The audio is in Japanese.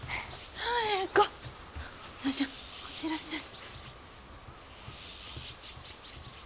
左枝ちゃんこっちいらっしゃい。